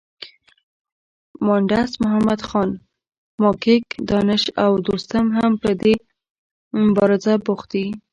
مانډس محمدخان، ماکیک، دانش او دوستم هم په مبارزه بوخت دي.